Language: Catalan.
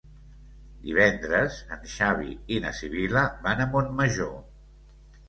Divendres en Xavi i na Sibil·la van a Montmajor.